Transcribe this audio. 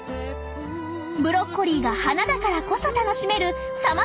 ブロッコリーが花だからこそ楽しめるさまざまな味わい。